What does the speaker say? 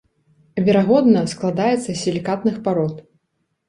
Верагодна складаецца з сілікатных парод.